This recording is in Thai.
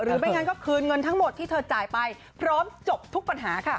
ไม่งั้นก็คืนเงินทั้งหมดที่เธอจ่ายไปพร้อมจบทุกปัญหาค่ะ